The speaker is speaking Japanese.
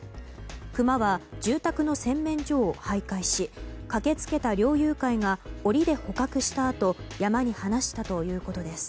クマは住宅の洗面所を徘徊し駆け付けた猟友会が檻で捕獲したあと山に放したということです。